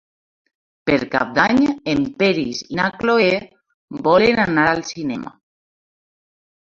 Per Cap d'Any en Peris i na Cloè volen anar al cinema.